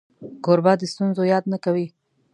کوربه د ستونزو یاد نه کوي.